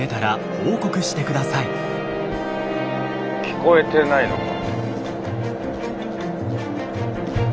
聞こえてないのか。